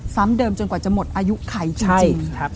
เดิมจนกว่าจะหมดอายุไขจริง